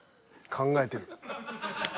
考えてる。